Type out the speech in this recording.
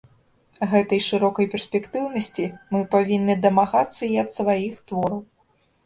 Гэтай шырокай перспектыўнасці мы павінны дамагацца і ад сваіх твораў.